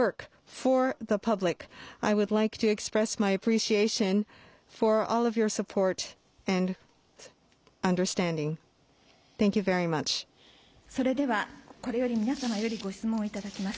それではこれより皆様よりご質問をいただきます。